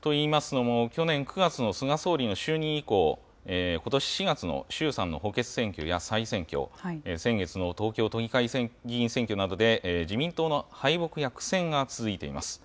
と言いますのも、去年９月の菅総理の就任以降、ことし４月の衆参の補欠選挙や再選挙、先月の東京都議会議員選挙などで自民党の敗北や苦戦が続いています。